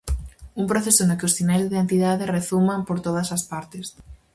Un proceso no que os sinais de identidade rezuman por todas as partes.